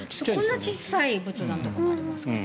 こんなに小さい仏壇とかありますから。